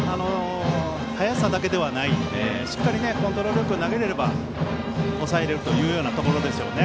速さだけではないしっかりコントロールよく投げられれば抑えれるというようなところですよね。